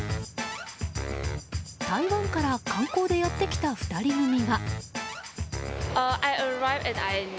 台湾から観光でやってきた２人組は。